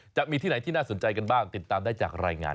จะมีที่ไหนที่น่าสนใจกันบ้างติดตามได้จากรายงาน